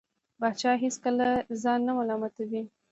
پاچا هېڅکله ځان نه ملامتوي .